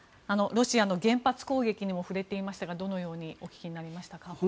ロシアの原発攻撃にも触れていましたが、どのようにお聞きになりましたか？